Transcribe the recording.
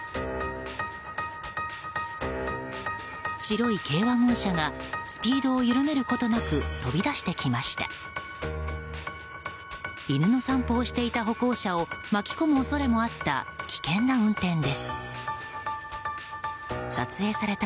白い軽ワゴン車がスピードを緩めることなく飛び出してきました。